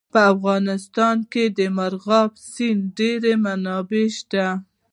په افغانستان کې د مورغاب سیند ډېرې منابع شته.